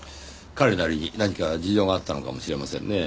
彼なりに何か事情があったのかもしれませんねぇ。